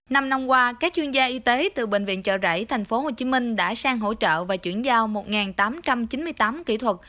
năm năm qua các chuyên gia y tế từ bệnh viện chợ rẫy tp hcm đã sang hỗ trợ và chuyển giao một tám trăm chín mươi tám kỹ thuật